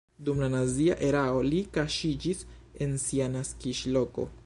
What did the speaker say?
Dum la nazia erao li kaŝiĝis en sia naskiĝloko.